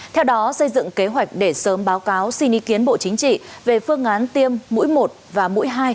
theo đó xây dựng kế hoạch để sớm báo cáo xin ý kiến bộ chính trị về phương án tiêm mũi một và mũi hai